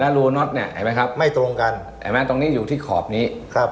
รูน็อตเนี่ยเห็นไหมครับไม่ตรงกันเห็นไหมตรงนี้อยู่ที่ขอบนี้ครับ